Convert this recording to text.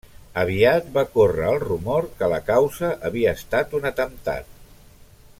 Aviat va córrer el rumor que la causa havia estat un atemptat.